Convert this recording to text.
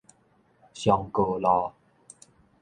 松高路